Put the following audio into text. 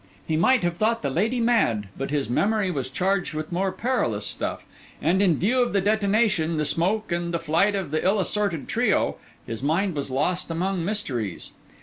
He might have thought the lady mad; but his memory was charged with more perilous stuff; and in view of the detonation, the smoke and the flight of the ill assorted trio, his mind was lost among mysteries.